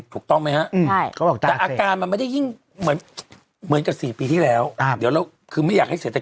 ถูกต้องไหมฮะฮะเดี๋ยวเราคือไม่อยากให้เศรษฐกิจ